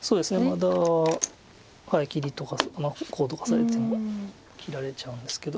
まだ切りとかこうとかされても切られちゃうんですけど。